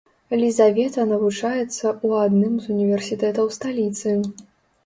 Лізавета навучаецца ў адным з універсітэтаў сталіцы.